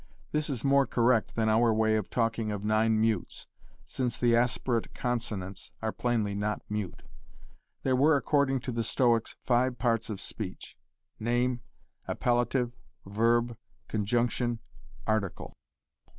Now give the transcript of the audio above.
This is more correct than our way of talking of nine mutes, since the aspirate consonants are plainly not mute. There were, according to the Stoics, five parts of speech name, appellative, verb, conjunction, article.